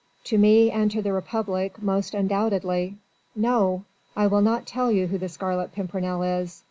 To me and to the Republic most undoubtedly. No! I will not tell you who the Scarlet Pimpernel is.